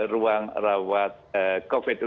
ruang rawat covid